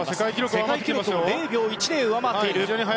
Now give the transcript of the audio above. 世界記録を０秒１０上回っている。